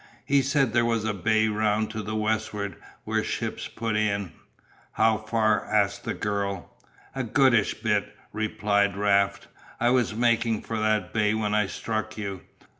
He said there was a bay round to the westward where ships put in." "How far?" asked the girl. "A goodish bit," replied Raft. "I was making for that bay when I struck you.